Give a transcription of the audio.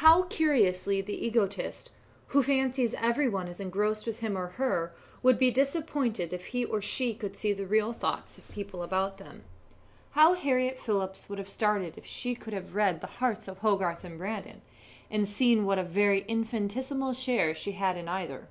How curiously the egotist, who fancies every one is engrossed with him or with her, would be disappointed if he or she could see the real thoughts of the people about them.. How Harriett Phillips would have started if she could have read the hearts of Hogarth and Brandon, and seen what a very infinitesimal share she had in either.